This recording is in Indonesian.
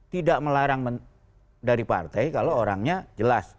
tidak melarang dari partai kalau orangnya jelas